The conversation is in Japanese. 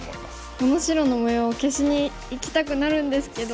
この白の模様消しにいきたくなるんですけど。